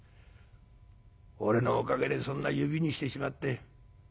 俺のおかげでそんな指にしてしまって。